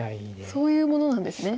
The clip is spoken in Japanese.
そういうものなんですね。